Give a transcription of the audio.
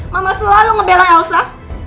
mama selalu ngebelai elsa